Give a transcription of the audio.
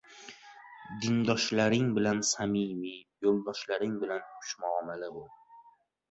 • Dindoshlaring bilan samimiy, yo‘ldoshlaring bilan xushmuomala bo‘l.